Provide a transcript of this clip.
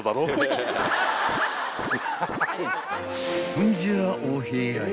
［ほんじゃあお部屋へ］